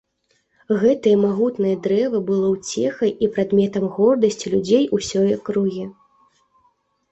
Гэтае магутнае дрэва было ўцехай і прадметам гордасці людзей усёй акругі.